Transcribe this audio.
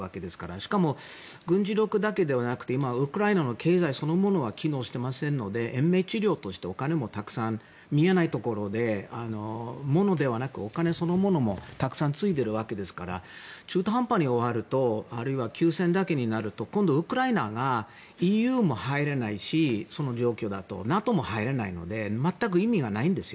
しかも、軍事力だけではなくて今、ウクライナの経済そのものが機能していませんので延命治療としてお金もたくさん見えないところで物ではなくお金そのものもたくさんついでいるわけですから中途半端に終わるとあるいは休戦だけになると今度、ウクライナがその状況だと、ＥＵも入れないしＮＡＴＯも入れないので全く意味がないんですよ。